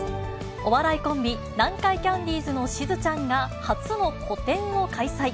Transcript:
お笑いコンビ、南海キャンディーズのしずちゃんが、初の個展を開催。